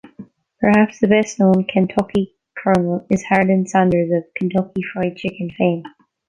Perhaps the best known Kentucky colonel is Harland Sanders of "Kentucky Fried Chicken" fame.